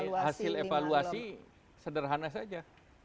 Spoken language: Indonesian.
tapi hasil evaluasi sederhana saja